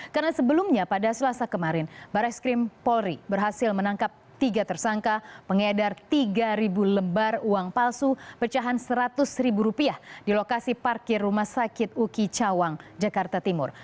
karena sebelumnya pada selasa kemarin barai skrim polri berhasil menangkap tiga tersangka pengedar tiga lembar uang palsu pecahan seratus rupiah di lokasi parkir rumah sakit uki cawang jakarta timur